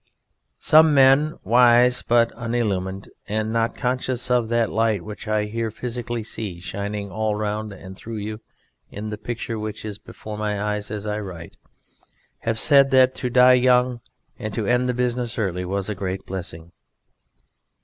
Some men, wise but unillumined, and not conscious of that light which I here physically see shining all round and through you in the picture which is before my eyes as I write, have said that to die young and to end the business early was a great blessing.